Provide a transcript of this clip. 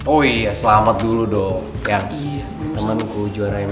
oh iya selamat dulu dong yang temenku juara mma